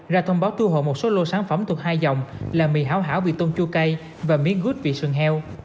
ra thông báo thu hồi một số lô sản phẩm thuộc hai dòng là mì hảo hảo vị tôm chua cay và miếng gút vị sườn heo